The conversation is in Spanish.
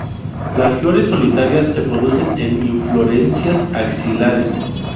Las flores solitarias se producen en inflorescencias axilares.